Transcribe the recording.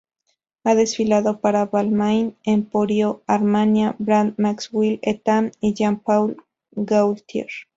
Ha desfilado para Balmain, Emporio Armani, Brandon Maxwell, Etam, y Jean-Paul Gaultier.